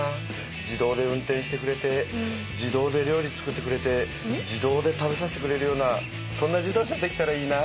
自動で運転してくれて自動で料理作ってくれて自動で食べさせてくれるようなそんな自動車できたらいいな。